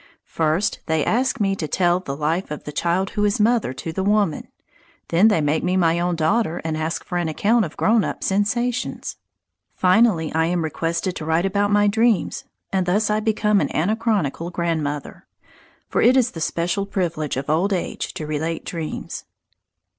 First they ask me to tell the life of the child who is mother to the woman. Then they make me my own daughter and ask for an account of grown up sensations. Finally I am requested to write about my dreams, and thus I become an anachronical grandmother; for it is the special privilege of old age to relate dreams.